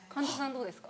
どうですか？